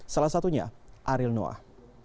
salah satunya ariel noah